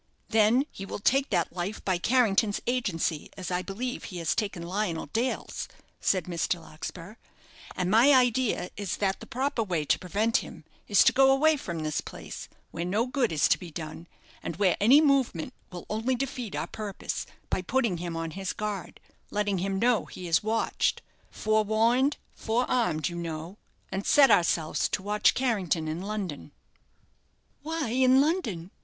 "Then he will take that life by Carrington's agency, as I believe he has taken Lionel Dale's," said Mr. Larkspur; "and my idea is that the proper way to prevent him is to go away from this place, where no good is to be done, and where any movement will only defeat our purpose, by putting him on his guard letting him know he is watched (forewarned, forearmed, you know) and set ourselves to watch Carrington in London." "Why in London?